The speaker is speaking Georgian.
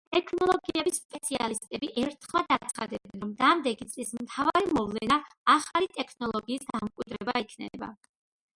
ტექნოლოგიების სპეციალისტები ერთხმად აცხადებენ, რომ დამდეგი, წლის მთავარი მოვლენა ახალი ტექნოლოგიის, დამკვიდრება იქნება.